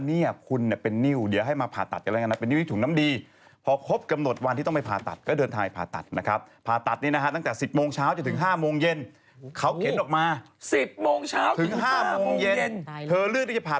นี่คุณเป็นนิ้วเดี๋ยวให้มาผ่าตัดกันแล้วนะ